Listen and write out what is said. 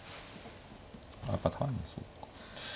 やっぱ単にするか。